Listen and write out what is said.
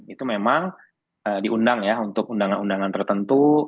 itu memang diundang ya untuk undangan undangan tertentu